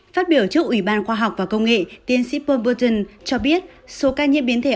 phát biểu trước ủy ban khoa học và công nghệ tiến sĩ polton cho biết số ca nhiễm biến thể